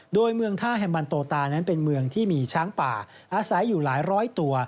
โดยเมืองท่าแฮมมันโตตานั้นเป็นเมืองที่มีช้างป่าอาศัยอยู่หลายร้อยตัว